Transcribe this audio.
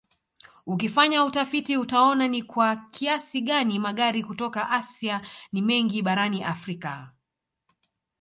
Ukifanya utafiti utaona ni kwa kiasi gani magari kutoka Asia ni mengi barani Afrika